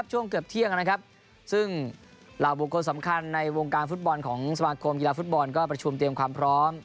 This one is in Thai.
ช่วงเกือบเที่ยงนะครับซึ่งเหล่าบุคคลสำคัญในวงการฟุตบอลของสมาคมกีฬาฟุตบอลก็ประชุมเตรียมความพร้อม